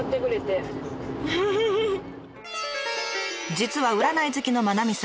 実は占い好きの真七水さん。